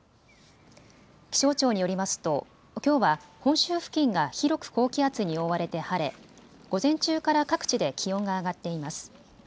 気象庁によりますときょうは本州付近が広く高気圧に覆われて晴れ午前中から各地で気温が上がっています。